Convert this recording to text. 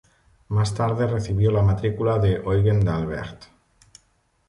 Más tarde recibió la matrícula de Eugen d'Albert.